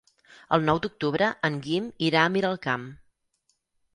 El nou d'octubre en Guim irà a Miralcamp.